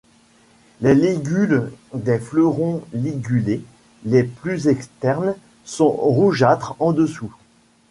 Les ligules des fleurons ligulés les plus externes sont rougeâtres en dessous.